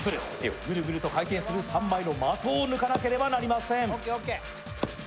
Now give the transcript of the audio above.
グルグルと回転する３枚の的を抜かなければいけません。